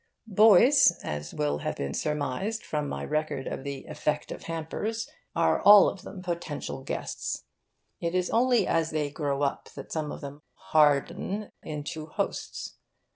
Boys (as will have been surmised from my record of the effect of hampers) are all of them potential guests. It is only as they grow up that some of them harden into hosts.